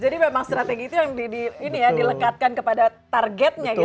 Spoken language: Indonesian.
jadi memang strategi itu yang dilekatkan kepada targetnya gitu ya